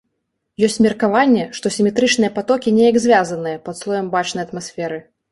Ёсць меркаванне, што сіметрычныя патокі неяк звязаныя пад слоем бачнай атмасферы.